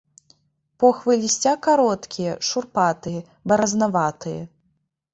Похвы лісця кароткія, шурпатыя, баразнаватыя.